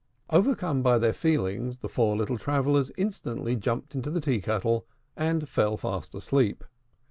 Overcome by their feelings, the four little travellers instantly jumped into the tea kettle, and fell fast asleep.